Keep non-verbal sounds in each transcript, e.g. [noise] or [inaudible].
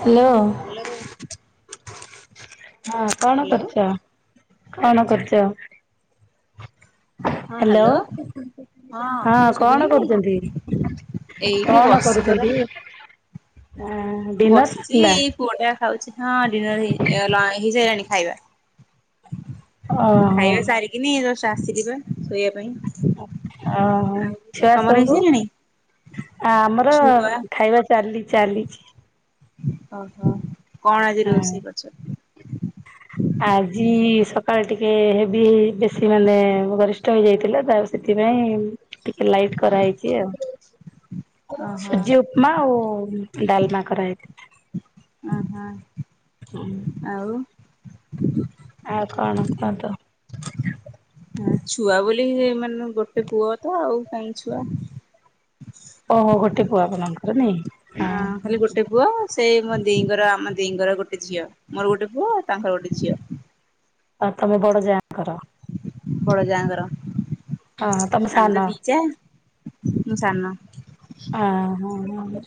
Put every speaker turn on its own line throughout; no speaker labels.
Hello.
Hello.
ହଁ କଣ
hello
କରୁଛ କଣ କରୁଛ? ହ୍ୟାଲୋ ହଁ କଣ କରୁଛନ୍ତି?
ଏଇଠି
କଣ
ବସିଚି
କରୁଛନ୍ତି ହୁଁ।
ବସିଛି। ପୁଅଟା ଖାଉଛି ହଁ ଡିନର [unintelligible] ହେଇ ସାଇଲାଣି ଖାଇବା।
ଓହୋ
ଖାଇବା ସାରିକିନି ଜଷ୍ଟ ଆସିିଲିପା ଶୋଇବା ପାଇଁ।
ଓହୋ
ଆଉ
ଛୁଆ
ତମର
ସବୁ
ହେଇସାଇଲାଣି?
ଆମର
ଛୁଆ
ଖାଇବା ଚାଲି ଚାଲିଚି।
ଓହୋ କଣ ଆଜି
ହଁ
ରୋଷେଇ କରିଛନ୍ତି?
ଆଜି ସକାଳେ ଟିକେ ହେବି ବେଶୀ ମାନେ ଗରି ଷ୍ଟ ହେଇଯାଇଥିଲା ଯାଉ ସେଥିପାଇଁ ଟିକେ ଲାଇଟ୍ କରାହେଇଛି ଆଉ
ଓହୋ
ସୁଜିଉପ ପମା ଆଉ ଡ଼ାଲମା କରା ହେଇଥି
ଓହୋ।
ହୁଁ।
ଆଉ।
ଆଉ କଣ କୁହନ୍ତୁ।
ହଁ ଛୁଆ ବୋଲି ହେଇମାନେ ଗୋଟେ ପୁଅତ ଆଉ କାଇଁ ଛୁଆ।
ଓହୋ ଗୋଟେ ପୁଅ ଆପଣନଙ୍କର ନାଇଁ।
ଅ
ହଁ।
ଖାଲି ଗୋଟେ ପୁଅ ସେଇ ମୋ ଦେଇଁଙ୍କର ଆମ ଦେଇଁଙ୍କର ଗୋଟେ ଝିଅ ମୋର ଗୋଟେ ପୁଅ ତାଙ୍କର ଗୋଟେ ଝିଅ।
ଆଉ ତମ ବଡ଼ଯାଙ୍କର।
ବଡ଼ ଯାଙ୍କର
ହଁ ତମ ସାନ
ଆମେତ ଦିଯା ମୁଁ ସାନ।
ଅଁ ହଁ ହଁ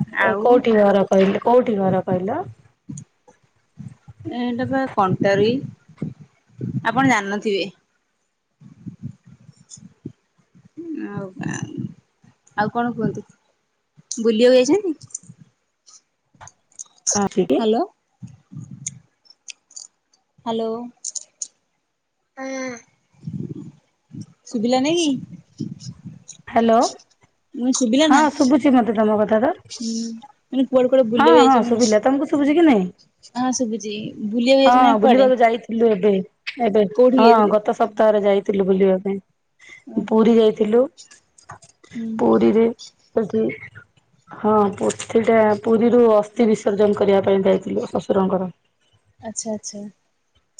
ଆଉ କଉଠି ଘରେ କହିଲି କୋଉଠି ଘର କହିଲ?
ଏ ଏଟାପା କଣ୍ଟାଲି ଆପଣ ଜାଣିନଥିବେ। [unintelligible] ଆଉ କଣ କୁହନ୍ତୁ ବୁଲିବାକୁ ଯାଇଛନ୍ତି?
[unintelligible]
ହାଲୋ। ହାଲୋ ହଁ। ଶୁବିଲାନିକି
ହ୍ୟାଲୋ
ମୁ
ହଁ
ଶୁବିଲାନା।
ମତେ ଶୁଭୁଛି ତମ କଥାଟା
କୁଆଡେ କୁଆଡେ
ହଁ
ବୁଲିବାକୁ
ହଁ
ଯାଇଛନ୍ତି ନା?
ଶୁବିଲା ତମକୁ ଶୁବୁଚିକି ନାଇଁ।
ହଁ ଶୁଭୁଛି ବୁଲିବାକୁ
ହଁ
ଯାଇଛନ୍ତି ନା କୁଆଡେ
ବୁଲିବାକୁ ଯାଇଥିଲୁ ଏବେ। ଏବେ
କୋଉଠିକି
ହଁ
ଯାଇଥିଲେ?
ଗତ ସପ୍ତାହରେ ଯାଇଥିଲୁ ବୁଲିବା ପାଇଁ
ଓହୋ
ପୁରୀ ଯାଇଥିଲୁ।
ହୁଁ
ପୁରୀରେ ସେଠି ହଁ ପୋଥିଟା ପୁରୀରୁ ଅସ୍ଥି ବିସର୍ଜନ କରିବା ପାଇଁ ଯାଇଥିଲୁ ଶ୍ୱଶୁରଙ୍କର।
ଆଚ୍ଛା ଆଚ୍ଛା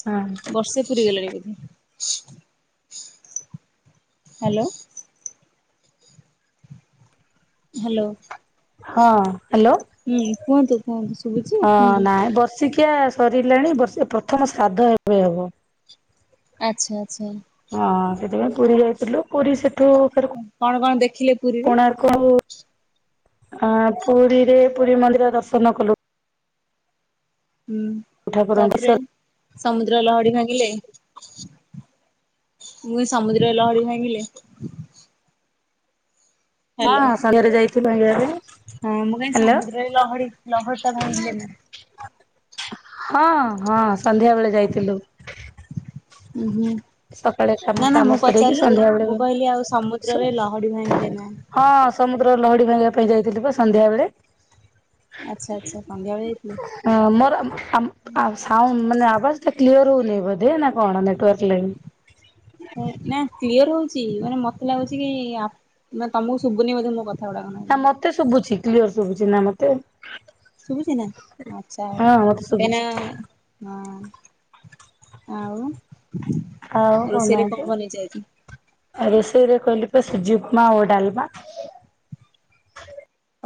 ହଁ
ବର୍ଷେ ପୁରୀ ଗଲାଣି ବୋଧେ। ହାଲୋ। ହାଲୋ।
ହଁ ହାଲୋ।
ହୁଁ କୁହନ୍ତୁ କୁହନ୍ତୁ ଶୁବୁଚି କୁହନ୍ତୁ।
ନାଇଁ ବର୍ଷିକିଆ ସରିଲାଣି ବର୍ଷେ ପ୍ରଥମ ଶ୍ରାଦ୍ଧ ଏବେ ହେବ।
ଆଚ୍ଛା ଆଚ୍ଛା।
ହଁ ସେଥିପାଇଁ ପୁରୀ ଯାଇଥିଲୁ ପୁରୀ ସେଠୁ
କଣ କଣ ଦେଖିଲେ ପୁରୀରେ?
କୋଉ ଆଁ ପୁରୀରେ ପୁରୀ ମନ୍ଦିର ଦର୍ଶନ କଲୁ।
ହୁଁ
ଠାକୁରଙ୍କୁ
ତାପରେ ସମୁଦ୍ର ଲହଡ଼ି ଭାଙ୍ଗିଲେ? ମୁ ସମୁଦ୍ର ଲହଡ଼ି ଭାଙ୍ଗିଲେ?
ହଁ
ହ୍ୟାଲୋ
ସଂଧ୍ୟାରେ ଯାଇଥିଲୁ ଭାଂଗିବା ପାଇଁ।
ହଁ ମୁଁ କାହିଁନି
ହ୍ୟାଲୋ।
ସମୁଦ୍ରରେ ଲହଡ଼ି ଲହଡ଼ିଟା ଭାଗିଲେନା।
ହଁ ହଁ ସନ୍ଧ୍ୟା ବେଳେ ଯାଇଥିଲୁ।
ଉଁ ହୁଁ।
ସକାଳେ କାମ
ନା ନା
କାମ
ମୁଁ
ସରେଇକି
ପଚାରିଲି
ସନ୍ଧ୍ୟା ବେଳେ
ମୁଁ କହିଲି ଆଉ
ସୁ
ସମୁଦ୍ରରେ ଲହଡ଼ି ଭାଙ୍ଗିଲେନା।
ହଁ ସମୁଦ୍ରରେ ଲହଡ଼ି ଭାଙ୍ଗିବା ପାଇଁ ଯାଇଥିଲିପା ସନ୍ଧ୍ୟା ବେଳେ।
ଆଚ୍ଛା ଆଚ୍ଛା ସଂଧ୍ୟାବେଳେ ଯାଇଥିଲେ?
ଆ ମାନେ ଆବାଜ ଟା କ୍ଲିୟର ହଉନି ବୋଧେ ନା କଣ ନେଟୱାର୍କ ଲାଗି?
ନା କ୍ଲିୟର୍ ହଉ ଚି ମାନେ ମତେ ଲାଗୁଛି କି ଆପ୍ ମାନେ ତମକୁ ଶୁବୁନି ବୋଧେ ମୋ କଥା ଗୁଡାକ ନା।
ନା
କଣ
ମତେ ଶୁଭୁଛି କ୍ଲିୟର ଶୁଭୁଛି ନା ମତେ।
ଶୁବୁଛି ନା ଆଚଛା
ହଁ ମତେ
ଏନା
ଶୁଭୁଛି।
ହଁ ଆଉ ରୋଷେଇରେ କଣ ବନେଇ ଚ ଆଜି?
ଆ ରୋଷେଇରେ କହିଲି ପା ସୁଜି ଉପ୍ମା ଓ ଡାଲମା।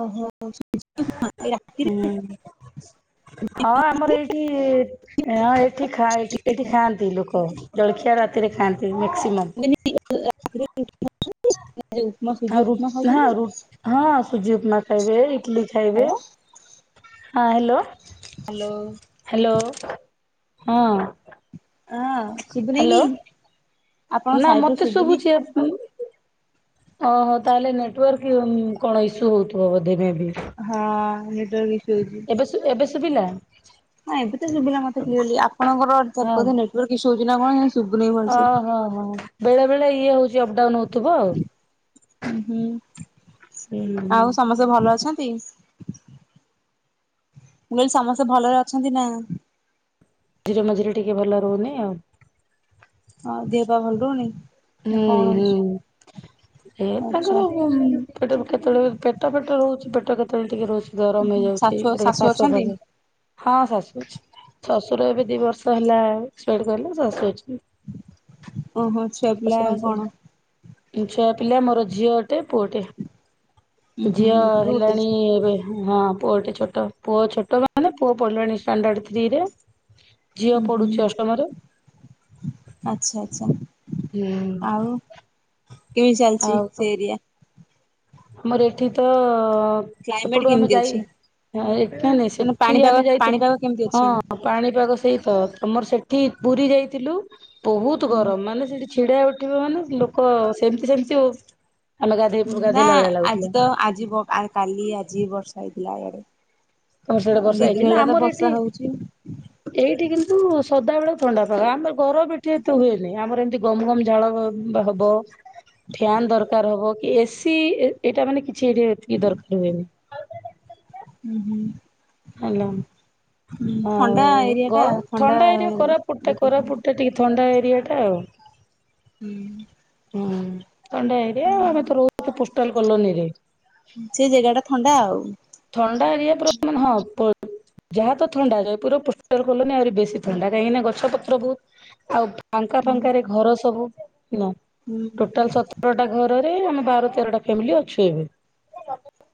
ଓହୋ। [unintelligible] ସୁଜି ଉପମା ଏଇ
ହୁଁ
ରାତିରେ।
ହଁ ଆମର ଏଇଠି ହଁଁ ଏଠି ଖା ଏଠି ଖାଆନ୍ତି ଲୋକ ଜଳଖିଆ ରାତିରେ ଖାଆନ୍ତି ମେକ୍ସିମମ୍।
[unintelligible] ଏ ଯୋଉ ଉପମା
ଆଉ
ସୁଜି
ରୁ
ଉପମା
ହଁ ରୁ
ଖାଉଛନ୍ତି
ହଁ ସୁଜି ଉପମା ଖାଇବେ ଇଟଲି ଖାଇବେ।
ହାଲୋ। ହ୍ୟାଲୋ।
ହ୍ୟାଲୋ ହଁ।
ହଁ। ଶୁଭୁନି କି ଆପଣ
ହ୍ୟାଲୋ ନା
ସାଇଡ ରୁ
ମତେ
ଶୁଭୁନି
ଶୁଭୁଛି ଆପ ଓହୋ ତାହେଲେ ନେଟୱାର୍କ କଣ ଇସ୍ୟୁ ହଉଥିବ ବୋଧେ ମେ ବି
ହଁ ନେଟା ୱର୍କ ଇସୁ ହଉଛି
ଏବେ ଏବେ ଶୁଭିଲା।
ହଁ ଏବେ ତ ଶୁଭିଲା ମତେ କ୍ଲିୟର ଲି ଆପଣଙ୍କରେଟ
ହଁ
ସେପଟେ ନେଟୱର୍କ ଇସ୍ୟୁ ହଉଛି ନା କଣ ସୁବୁନାଇଁ ଭଲସେ।
ଓହ। ବେଳେ ବଳେ ଇଏ ହଉଛି ଅପଡାଉନଉ। ଥିବ ଆଉ ହୁଁ।
ହୁଁ ହୁଁ ଆଉ ସମସ୍ତେ ଭଲ ଅଛନ୍ତି ମୁଁ କହିଲି ସମସ୍ତେ ଭଲରେ ଅଛନ୍ତି ନା?
ମଝିରେ ମଝିରେ ଟିକେ ଭଲ ରହୁନି ଆଉ।
ହଁ ଦେହ ପା ଭଲ ରହୁନି
ହୁଁ
କଣ
ହୁଁ।
ହଉଛି?
ଏ
ଆଚ୍ଛା
ତାଙ୍କର କେତେବେଳେ ପେଟ ଫେଟ ରହୁଛି ପେଟ କେତେବେଳେ ଟିକେ ରହୁଛି ଗରମ ହେଇଯାଉଛି।
ଛୁଆ
କେତେବେଳେ
ଶାଶୁ
କାଶ
ଅଛନ୍ତି?
ଫାସ ହଁ ଶାଶୁ ଅଛନ୍ତି ଶ୍ୱଶୁର ଏବେ ଦି ବର୍ଷ ହେଲା ଏକ୍ସପାଇଡ କଲେ ଶାଶୁ ଅଛନ୍ତି।
ଓହୋ ଛୁଆ
ଶାଶୁ
ପିଲା
ପାଞ୍ଚ
କଣ?
ଛୁଆ ପିଲା ମୋର ଝିଅ ଟେ ପୁଅଟେ
ଉଁ ହୁଁ
ଝିଅ
ଗୋଟେ ରୁ ଗୋଟେ
ହେଲାଣି ଏବେ ହଁ ପୁଅ ଟେ ଛୋଟ ପୁଅ ଛୋଟ ମାନେ ପୁଅ ପଢିଲାଣି ଷ୍ଟାଣ୍ଡାର୍ଡ ଥ୍ରି ରେ।
ହୁ ହୁଁ ଆଚ୍ଛା ଆଚ୍ଛା। ଆଉ କେମିତି ଚାଲିଛି
ଆଉ କଣ
ସେ ଏରିଆ?
ଆମର ଏଠି ତ
କ୍ଲାଇମେଟ
ସେପଟୁ ଆମେ
କେମିତି
ଯାଇ
ଅଛି?
ନାଇ ନାଇଁ
ମାନେ
ସେଠି
ପାଣିପାଗ
ଆମେ ଯାଇଥିଲୁ
ପାଣିପାଗ କେମିତି ଅଛି
ହଁ
ଏଇନା?
ପାଣିପାଗ ସହିତ ତମର ସେଠି ପୁରୀ ଯାଇଥିଲୁ ବହୁତ ଗରମ ମାନେ ସେଠି ଛିଡା ଉଠିବ ମାନେ ଲୋକ ସେମିତି ସେମିତି ଆମେ ଗାଧୋଇ
ନା ଆଜି ତ ଆଜି କାଲି ଆଜି ବର୍ଷା ହେଇଥିଲା ଆଗରେ।
ତମ ସେଟେ ବର୍ଷା ହେଇଛି ନା ଆମର ଏଠି ଏଇଠି କିନ୍ତୁ ସଦା ବେଳ ଥଣ୍ଡା ଫାଗ ଆମର ଗରମ ଏଠି ଏତେ ହୁଏନି ଆମର ଏମିତି ଗମ ଗମ ଝାଳ ହବ ଫ୍ୟାନ ଦରକାର ହବ କି ଏସି ଏଇଟା ମାନେ କିଛି ଏରିଆ ଏତିକି ଦରକାର ହୁଏନି।
ହୁଁ ହୁଁ।
ହେଲା
ହୁଁ
ଆଉ
ଥଣ୍ଡା ଏରିଆ
ଗ
ଟା
ଥଣ୍ଡା ଏରିଆ କୋରଫୁଟ ଟା
ଲୋକେସନ।
କୋରଫୁଟ ଟିକେ ଥଣ୍ଡା ଏରିଆଟା ଆଉ।
ହୁଁ।
ହୁଁ ଥଣ୍ଡେ ହେଇରେ ଆଉ ଆମେ ତ ର ପୋଷ୍ଟାଲ କଲୋନିରେ।
ସେ ଜାଗା ଟା ଥଣ୍ଡା ଆଉ।
ଥଣ୍ଡା ଏରିଆ ପୁରା ମାନେ ହଁ। ଯାହା ତ ଥଣ୍ଡା ଜୟପୁର ପୋଷ୍ଟର କଲନି ଆହୁରି ବେଶୀ ଥଣ୍ଡା କାହିଁକି ନା ଗଛ ପତ୍ର ବହୁତ ଆଉ ଫାଙ୍କା
ହୁଁ
ଫାଙ୍କରେ ଘର ସବୁ
ହୁଁ
ଟୋଟାଲତ ବରଟା ଘରରେ ଆମ ବାର ତେରଟା ଫ୍ୟାମିଲି ଅଛୁ। ଏବେ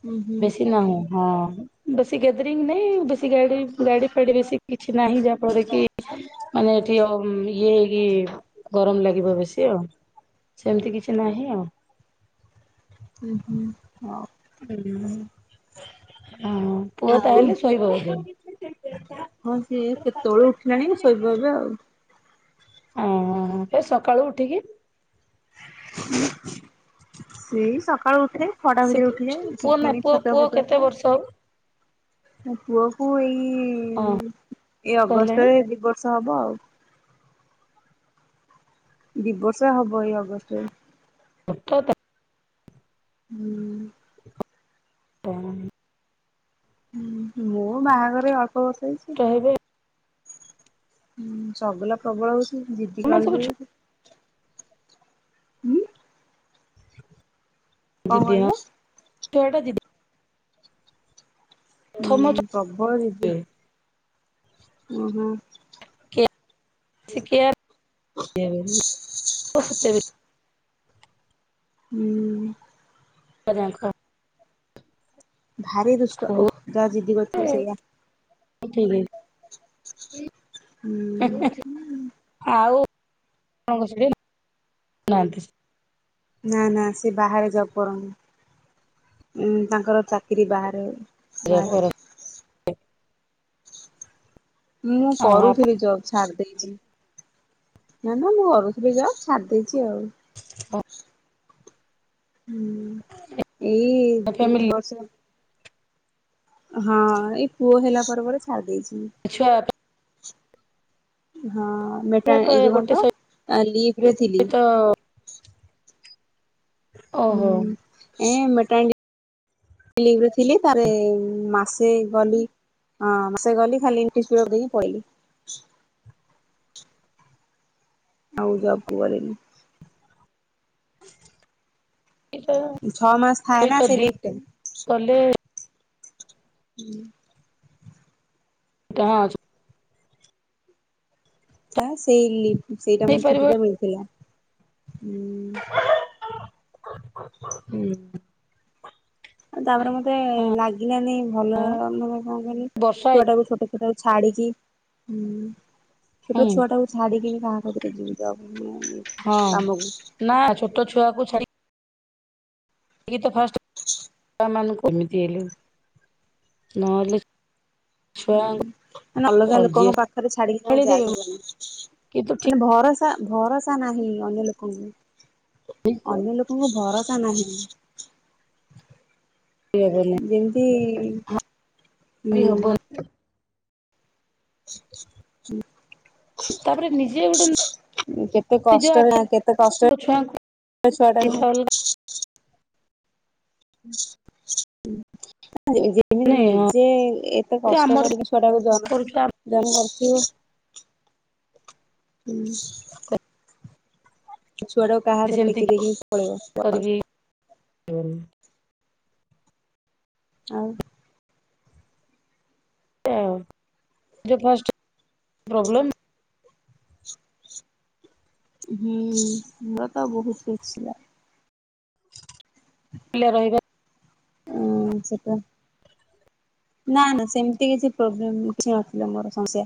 ହୁଁ ହୁଁ
ବେଶୀ ନାହୁଁ ହଁ। ବେଶୀ ଗ୍ୟାଦରଙ୍ଗ ନାଇଁ ବେଶୀ ଗାଡି ଗାଡି ଫାଡି ବେଶୀ କିଛି ନାହିଁ ଯାହା ଫଳରେ କି ମାନେ ଏଠି ଆ ଇଏ ହେଇକି ଗରମ ଲାଗିବ ବେଶୀ ଆଉ। ସେମିତି କିଛି ନାହିଁ ଆଉ।
ହୁଁ ହୁଁ ହଉ।
ହୁଁ ହଁ ପୁଅ
ଆଉ
ତାହଲେ ଶୋଇବ ଏବେ।
ହଁ ସିଏ କେତେବେଲୁ ଉଠିଲାଣି ଶୋଇବା ଏବେ ଆଉ।
ଓ ଏ ସକାଳୁ ଉଠିକି
[inaudible] ସେଇ ସକାଳୁ ଉଠେ ଛଅଟା
ସେ
ଭିତରେ ଉଠଯାଏ
ପୁଅ ନା ପୁଅ
ଛତୁଆ
ପୁଅ
ଫତୁଆ
କେତେ
ଖ
ବର୍ଷ ହବ?
[inaudible] ପୁଅ କୁ ଏଇ
ହଁ
ଏଇ
କହିଲେଣି
ଅଗଷ୍ଟରେ ଦି ବର୍ଷ ହବ ଆଉ। ଦଦି ବର୍ଷ ହବ ଏଇ ଅଗଷ୍ଟରେ।
ତ ତ
ହୁଁ।
ହଁ।
ହୁଁ ମୋ ବାହାଘରେ ଅଳ୍ପ ବର୍ଷ ହେଇଛି।
ହେବେ
ହୁଁ ଶଗୁଲା ପ୍ରବଳ ହଉଛି ଯିଦି କା
ସେମାନେ ସବୁ
କଣ
ଯିଦି
କହିଲ?
ଏଇଟା ଜିଦ
ହୁଁ
ପ୍ରଥମ
ପ୍ରବଳ ଦିଦି
ଛୁଆ
ଓହୋ
[unintelligible]
ହୁଁ।
ଅଜାଙ୍କ
ଭାରି ଦୁଷ୍ଟ ଓହ
ସ୍କୁଲରେ
ଯାହା ଜିଦି କରଥିବ ସେଇଆ
[unintelligible]
ହୁଁ।
ଆଉଣ ସେଠ ନାହାନ୍ତି।
ନା ନା ସେ ବାହାରେ ଜବ୍ କରନ୍ତି ତାଙ୍କର ଚାକିରି ବାହାରେ। ବାହାରେ ଅଛି। ମୁଁ
ଆଉ ଆପଣ
କରୁଥିଲି ଜବ୍। ଛାଡ୍ ଦେଇେଛି ନା ନା ମୁଁ କରୁଥିଲି ଜବ ଛାଡି ଦେଇେଛି ଆଉ।
ହଁ।
ହୁଁ ଏଇ ଦୁଇ
ଫ୍ୟାମିଲି
ବର୍ଷ ହଁ ଏଇ ପୁଅ ହେଲା ପରେ ପରେ ଛାଡି ଦେଇଛି।
ଆଚ୍ଛା
ହଁ ମେଟା
ଯାକ
ଏଇ ଯ କଣ
ଗୋଟେ
ତ କାଲି ଲିଭରେ ଥିଲି।
ସହିତ ଓହୋ
ହୁଁ ଏ ମଟାଡି ଲିବ୍ ଥିଲି ତାର ମାସେ ଗଲି। ହଁ ସେ ଗଲେ ଖାଲି ଏଇଠ ଦେଇକି ପଳେଇି ଆଉ ଯବ୍ କୁ ଗଲେନୀ
ହଁ।
ଛ ମାସ ଥାଏ ନା
ସହିତ
ସେ
ଦି
ଲିଗ ଟେ।
କଲେ
ହୁଁ।
[unintelligible]
ଥା ସେଇ ଲି ସେଇଟା ମାନେ
ହେଇପାରିବ
ଛୁଟିଟା ମିଳିଥିଲା ଉଁ
ହୁଁ।
ଆଉ ତାପରେ ମତେ ଲାଗିଲାନି ଭଲ ମାନେ କଁ କିହିଲୁ
ବର୍ଷା ହେଇ
ଛୁଆଟାକୁ ଛୋଟ ଛୁଆଟାକୁ ଛାଡିକି ହୁଁ ଛୋଟ
ହୁଁ
ଛୁଆଟାକୁ ଛାଡିକି ବି କଁ ଘରୁକୁ ଯିବି ତାପରେ ଫୁଣି ଇଏ
ହଁ ନା ଛୋଟ ଛୁଆକୁ ଛାଡି ଗି ତ ଫା
[inaudible]
ଏମାନୁଙ୍କୁ ଏମିତି ହେଲେ ନହଲେ
ସ୍ ହୁଁ ମାନେ ଅଲଗା
ଯିଏ
ଲୋକଙ୍କ ପାଖରେ ଛାଡିକି ତ
ସମ୍ଭାଳି
ଯାଇ
ଦେବେ
ହବନି
କିନ୍ତୁ
ମାନେ ଭରସ୍ ସା ଭରସା ନାହିଁ ଅନ୍ୟ ଲୋକଙ୍କୁ
ଠିକ
ଅନ୍ୟ ଲୋକଙ୍କୁ ଭରସା ନାହିଁ।
ଇ ହବନି
ଯେମିତି
ହା ରି ହବ
ହୁଁ [inaudible]
ତାପରେ ନିଜେ ଗୋଟେ ନ୍
ଉଁ କେତେ କଷ୍ଟରେ ନା କେତେ କଷ୍ଟ
ଛୁଆଙ୍କୁ
ଏ ଛୁଆଟାକୁ ମୁଁ
ଅଲଗା ହୁଁ।
[unintelligible] ଯେମିତି
ହଁ
ନିଜେ ଏତେ କଷ୍ଟ
ଆମର
କରିକି ଛୁଆଟାକୁ ଜନ୍
କରୁଛୁ
ଜନ୍ମ କରଥିବି ହୁଁ। ଛୁଆଟାକୁ କାହା
ଆମେ
ହାତରେ
ସେମିତି
ଟେକି ଦେଇକି ପଳେଇବ କୁଆଡେ।
ଉଁ।
ଆଉ
ଏ ଆଉ ଯେ ଫାଷ୍ଟେ ପ୍ରୋବ୍ଲେମ୍
ହୁଁ ମୋର ତ ବୋହୁତ [unintelligible] ଲା
ପିଲା ରହିବା
ଉଁ ସେଟୁ ନା ନା ସେମତି କିଛି ପ୍ରୋବ୍ଲେମ୍ କିଛି ନଥିଲା ମୋର। ସମସ୍ୟା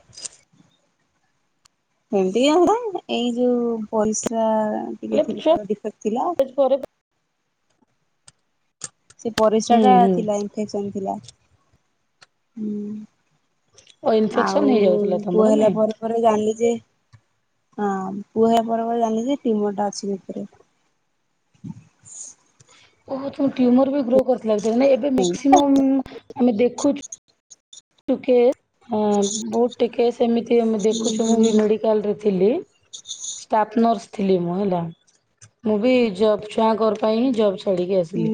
ହେନ୍ତି ଆଉ ଗୋଟେ ଏଇ ଯୋଉ ପରିସ୍ରା ଟିକେ ଥିଲା ଡିଫେକ୍ଟ୍ ଥିଲା।
ପରିସ୍ରା
ସେ
ହୁଁ
ପରିସ୍ରାଟା
ହୁଁ
ଥିଲା ଇନଫେକ୍ସନ୍ ଥିଲା ହୁଁ।
ଓ ଇନଫେକ୍ସନ
ଆଉ
ହେଇଯାଉଥିଲା
ପୁଅ
ତମର
ହେଲା
ନାଇଁ
ପରେ ପରେ ଜାଣିଲି ଯେ ହଁ ପୁଅ ହେଲା ପରେ ପରେ ଜାଣିଲି ଯେ ଟ୍ୟୁମରଟା ଅଛି ଭିତରେ।
ଓହୋ ତମ ଟ୍ୟୁମର୍ ବି ଗ୍ରୋ କରିଥିଲା ବୋଧେ ମାନେ ଏବେ ମ୍ୟାକ୍ସିମମ୍ ଆମେ ଦେଖୁଛୁ
[inaudible]
ଉ କେ ଆଁ ବୋହୁତ ଟିକେ ସେମିତି ଆମେ
ହୁଁ
ଦେଖୁଛୁ ମୁଁ ବି
ହୁଁ।
ମେଡି କାଲରେ ଥିଲି ଷ୍ଟାପ୍ ନର୍ସ ଥିଲି ମୁଁ ହେଲା। ମୁଁ ବି ଜବ୍ ଛୁଆଙ୍କର ପାଇଁ ଜବ୍ ଛାଡିକି ଆସିଲି
ହୁଁ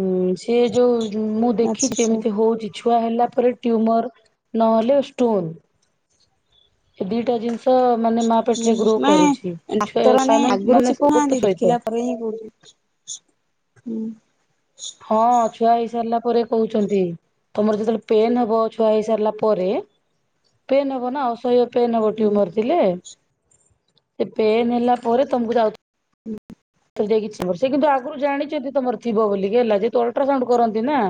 ଉଁ ସି ଏ ଯୋଉ ଜୁ ମୁଁ
ଆଚ୍ଛା
ଦେଖିଛି
ଆଚ୍ଛା
ଏମିତି ହଉଚି। ଛୁଆ ହେଲା ପରେ ଟ୍ୟୁମର୍ ନହେଲେ ଷ୍ଟୋନ୍। ଏ ଦିଟା ଜିନିଷ ମାନେ ମା
ହୁଁ
ପେଟରେ ଗ୍ରୋ କରୁଛି।
ମେ
ଛୁଆ
ଡାକ୍ତରମାନେ
ସାମାନ
ଆଗୁରୁ
ମାନେ
କିଛି
ଗୋଟେ
କହୁନାହାନ୍ତି
ସହିତ
ଦେଖିଲା ପରେ ହିଁ କହୁଛନ୍ତି। ସ୍ ହୁଁ।
ହଁ ଛୁଆ ହେଇସାରିଲା ପରେ କହୁଛନ୍ତି। ତମର ଯେତେବେଳେ ପେନ୍ ହବ ଛୁଆ ହେଇ ସାରିଲା ପରେ ପେନ୍ ହବ ନା ଅସହ୍ୟ ପେନ୍‌ ହବ ଟ୍ୟୁମର୍ ଥିଲେ ଏ ପେନ୍ ହେଲା ପରେ ତମକୁ ଯାଉ
[inaudible]
[unintelligible] ଥିବ ସେ କିନ୍ତୁ ଆଗୁରୁ ଜାଣିଚନ୍ତି ତମର ଥିବ ବୋଲିକି ହେଲା ଯେହେତୁ ଅଲଟ୍ରାସାଉଣ୍ଡୁ କରନ୍ତି ନା।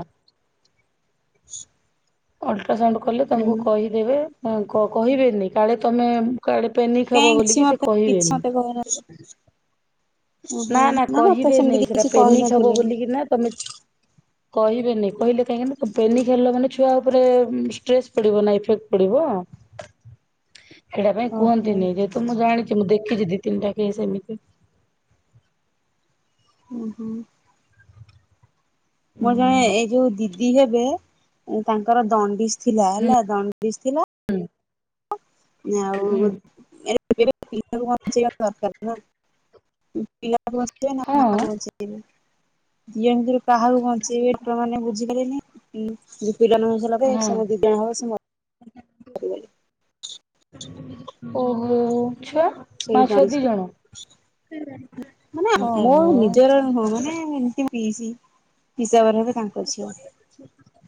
ଆଛ [unintelligible]
ଅଲଟ୍ରାସାଉଣ୍ଡୁ କଲେ ତମକୁ କହିଦେବେ ଉଁ କ କହିବେନି କାଳେ ତମେ ଉଁ କୁଆଡେ ପେନିକ୍
କାଇଁ
ହବ
କିଛି
ବୋଲିକି ସିଏ
ମତେ
କହିବେନି।
[unintelligible]
ନା
ଓହୋ
ନା
ମତେ ସେମିତି
କହିବେନି ସେଟା
କିଛି
ପେନିକ ହବ
କହିନଥିଲେ।
ବୋଲିକି ନା ତମେ କହିବେନି କହିଲେ କାହିଁକି ନା ପେନିକ ହେଲ ମାନେ ଛୁଆ ଉପରେ ଷ୍ଟ୍ରେସ ପଡିବ ନା ଇଫେକ୍ଟ ପଡିବ।
[unintelligible]
ସେଇଟା ପାଇଁ
ଓହୋ।
କୁହନ୍ତିନି ଯେହେତୁ ମୁଁ ଜାଣିଛି ମୁଁ ଦେଖିଛି ଦି ତିନିଟା କେସେ ଏମିତି।
ଉଁ ହୁଁ। ମୋର ଜଣେ ଏଇ ଯୋଉ ଦିଦି ହେବେ ତାଙ୍କର ଦଣ୍ଡିଶ ଥିଲା ହେଲା ଦଣ୍ଡିଶ ଥିଲା
ହୁଁ।
ଆଉ [unintelligible]
ହୁଁ
ବଞ୍ଚେଇବା ଦରକାର ନା। ପିଲାକୁ ବଞ୍ଚେଇବେ ନା
ହଁ
ମା କୁ ବଞ୍ଚେଇବେ ଦିଜଣଙ୍କ ଭିତରୁ କାହାକୁ ବଞ୍ଚେଇବେ? କ୍ତରମାନେ ବୁଝିପାଇଲେନି ପିଲା ଜନମ ହେଇ ସାରିଲା
ହଁ
ପରେ ମୋ ଦିଦି ଜଣ ହବ ସେ ମ ମରିଗଲେ।
ଓହୋ ଛୁଆ
ସେଇ
ମା ଛୁଆ
ଦଣ୍ଡିସ୍
ଦି
ରେ
ଜଣ?
ମାନେ ମୋ
ଓହୋ।
ନିଜର ନୁହଁ ମାନେ ଏମତି ପିସି ହିସାବରେ ହେବେ ତାଙ୍କ ଝିଅ।
[unintelligible]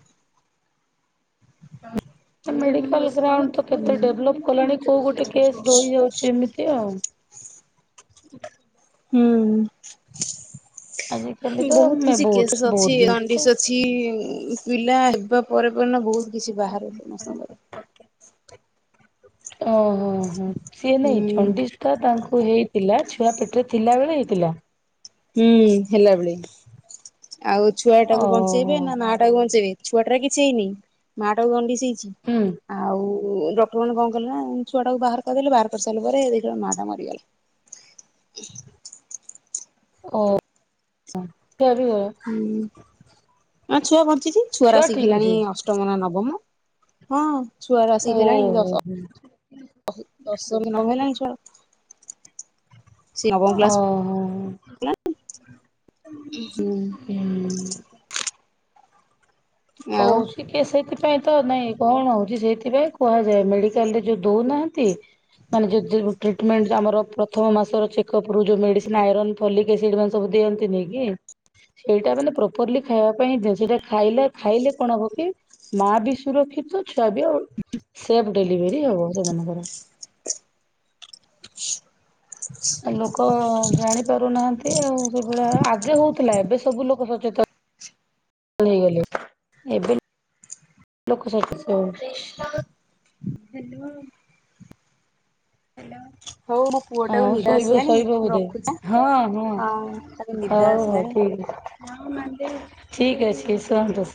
ମେଡିକାଲ୍‌ ଗ୍ରାଉଣ୍ଡ ତ କେତେ
ହୁଁ
ଡେଭଲପ୍ କଲାଣି କୋଉ ଗୋଟେ କେସ୍‌ ଡୋଇ ଜାଉ ଛି ହେମିତି ଆଉ।
ହୁଁ
ଆଜିକାଲି ତ
ବହୁତ
ମେ
କିଛି କେସେସ୍ ଅଛି
ବହୁତ ଜିନିଷ
ଅଣ୍ଡିସ୍ ଅଛି। କି ପିଲା ହେବା ପରେ ପରେ ନା ବହୁତ କିଛି ବାହାରେ ସମସ୍ତଙ୍କର।
ଓହୋ ହୋ ସିଏ
ହୁଁ
ନାଇଁ ଚଣ୍ଡି ତ ତାଙ୍କୁ ହେଇଥିଲା ଛୁଆ ପେଟରେ ଥିଲା ବେଳେ ହେଇଥିଲା।
ହୁଁ ହେଲା ବେଳେ ଆଉ ଛୁଆ ଟାକୁ
ଓହୋ
ବଞ୍ଚେଇବେ ନା ମା ଟାକୁ ବଞ୍ଚେଇବେ ଛୁଆ ଟାର କିଛି ହେଇନି ମା ଟାକୁ ଦଣ୍ଡିଶୀ ହେଇଛି।
ହୁଁ।
ଆଉ ଡକ୍ଟର ମାନେ କଣ କଲେ ନା ଛୁଆ ଟାକୁ ବାହାର କରିଦେଲେ ବାହାର କରି ସାରିଲା ପରେ ଦେଖିଲେ ମା ଟା ମରିଗଲା। ଉ [unintelligible]
[unintelligible]
ହୁଁ ଛୁଆ ବଞ୍ଚିଛି ଛୁଆର
ଛୁଆ
ଆସିକି
ଠିକ
ହେଲାଣି
ଅଛି
ଅଷ୍ଟମ ନା ନବମ। ହଁ ଛୁଆର ଆସି କି ହେଲାଣି ଦସ
ହୁଁ।
ଦଶମି ନ ହେଲାଣି ଛୁଆ। ସେ ନବମ କ୍ଲାସ
ଓହୋ
ହେଲାଣି ହୁଁ।
ହୁଁ।
ଆଉ
କଉଛି। ସେଥିପାଇଁ ତ ନାଇଁ କଣ ହଉଛି ସେଇଥିପାଇଁ କୁହାଯାଏ ମେଡିକାଲ ରେ ଯୋଉ ଦଉନାହାନ୍ତି ମାନେ ଯଦି ଟ୍ରିଟ୍ ମେଣ୍ଟ ଆମର ପ୍ରଥମ ମାସର ଚେକପରୁ ଯେଉ ମେଡିସିନ ଆଇରନ୍‌ ଫଲିକ୍ ଏସିଡିର ଦିଅନ୍ତିିନି କି ସେଇଟା ମାନେ ପ୍ରପରଲି ଖାଇବା ପାଇଁ ସେଟା ଖାଇଲେ ଖାଇଲେ କଣ ହବ କି ମା ବି ସୁରକ୍ଷିତ ଛୁଆ ବି ଆଉ ସେବ୍। ଡେଲିଭେରି ହେବ ସେମାନଙ୍କର।
ହ [unintelligible]
ଆଉ ଲୋକ ଜାଣି ପାରୁନାହାନ୍ତି ଆଉ ସେଭଳିଆ ଆଗେ ହଉଥିଲା ଏବେ ସବୁ ଲୋକ ସଚେତନ।
ଛି।
[unintelligible] ଏବେ ଲୋକ ସଚେତେ ହେବେ।
ହଉ ମୋ ପୁଅ
ହଁ
ଟାକୁ ନିଦ
ଶୋଇବ
ଆସିଲାଣି
ଶୋଇବ
ମୁଁ
ବୋଧେ
ରଖୁଛି
ହଁ ହଁ।
ତାକୁ ନିଦ
ହଉ ହଉ
ଆସିଲାଣି।
ଠିକ୍ ଠିକ୍ ଅଛି ଶୁଅନ୍ତୁ।